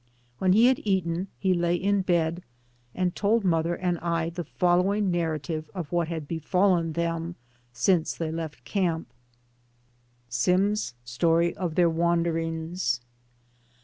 When he had eaten, he lay in bed and told mother and I the fol DAYS ON THE ROAD. 223 lowing narrative of what had befallen them since they left camp: sim's story of their wanderings.